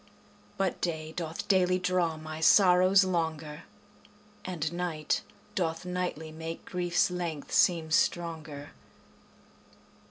But day doth daily draw my sorrows longer, And night doth nightly make grief's length seem stronger.